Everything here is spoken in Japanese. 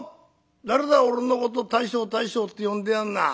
誰だ俺のこと大将大将って呼んでやんのは。